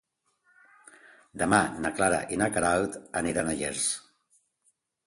Demà na Clara i na Queralt aniran a Llers.